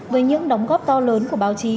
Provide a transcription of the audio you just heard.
với những đóng góp to lớn của báo chí